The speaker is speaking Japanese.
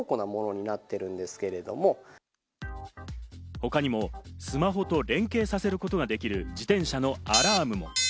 他にもスマホと連携させることができる自転車のアラームも。